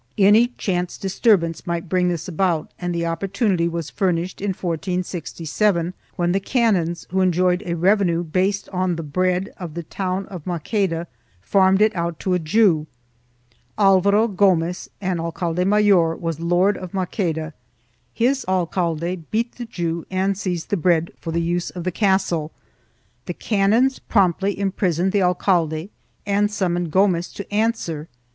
3 Any chance disturbance might bring this about and the opportunity was furnished in 1467, when the canons, who enjoyed a revenue based on the bread of the town of Maqueda, farmed it out to a Jew. Alvaro Gomez, an alcalde mayor, was lord of Maqueda; his alcaide beat the Jew and seized the bread for the use of the castle ; the canons promptly imprisoned the alcaide and summoned Gomez to answer.